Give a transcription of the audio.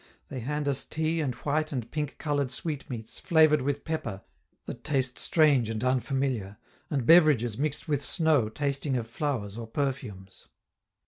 They hand us tea and white and pink colored sweetmeats flavored with pepper that taste strange and unfamiliar, and beverages mixed with snow tasting of flowers or perfumes.